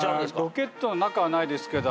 ロケットの中はないですけど。